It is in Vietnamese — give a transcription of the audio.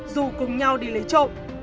dù cùng nhau đi lấy trộm